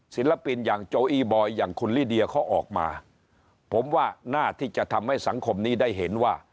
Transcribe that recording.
ศิลปินอย่างโจอีบอยอย่างคุณลิเดียเขาออกมาผมว่าหน้าที่จะทำให้สังคมนี้ได้เห็นว่า